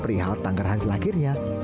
perihal tanggar hari lahirnya